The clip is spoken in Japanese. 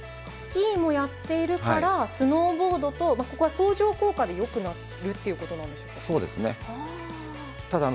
スキーもやっているからスノーボードとここは相乗効果で良くなっているということなんでしょうか？